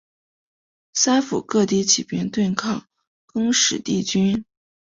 三辅各地起兵对抗更始帝军。